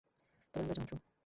তবে আমরা যন্ত্র।